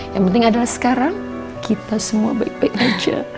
yang penting adalah sekarang kita semua baik baik saja